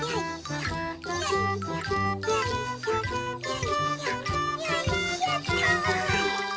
よいしょよいしょよいしょと。